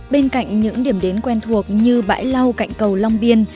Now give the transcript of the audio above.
bên cạnh những điểm đến quen thuộc như bãi lau cạnh cầu long biên